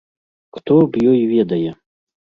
Хто аб ёй ведае?